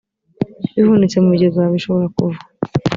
bihunitse mu bigega bishobora kuva